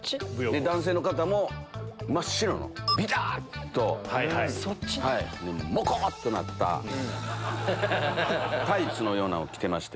男性の方も真っ白のビタっとモコっとなったタイツのようなの着てまして。